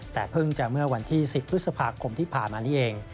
แต่เพิ่งจะเมื่อวันที่๑๐พฤษภาคมที่ผ่านมานี้เอง